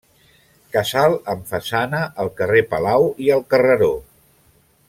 Casal amb façana al carrer Palau i al Carreró.